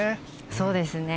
そうですね。